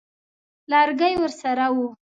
لرګی ورسره وو.